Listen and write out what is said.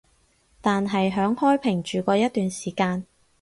但係響開平住過一段時間